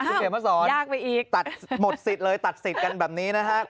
คุณเขมศรตัดหมดสิทธิ์เลยตัดสิทธิ์กันแบบนี้นะครับยากไปอีก